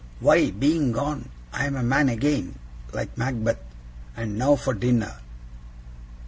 "'Why, being gone, I am a man again," like Macbeth. And now for dinner!